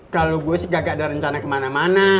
kalau gue sih gak ada rencana kemana mana